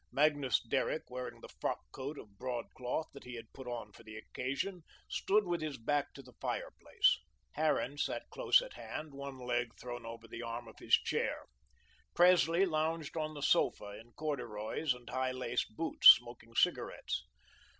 Magnus Derrick, wearing the frock coat of broadcloth that he had put on for the occasion, stood with his back to the fireplace. Harran sat close at hand, one leg thrown over the arm of his chair. Presley lounged on the sofa, in corduroys and high laced boots, smoking cigarettes.